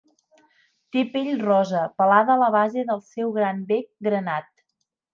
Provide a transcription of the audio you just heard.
Té pell rosa pelada a la base del seu gran bec granat.